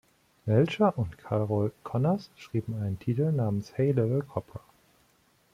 Melcher und Carol Conners schrieben einen Titel namens "Hey Little Cobra".